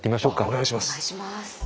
お願いします。